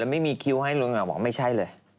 ไม่มีคิวให้หนึ่งละครบอกว่าไม่ใช่เลย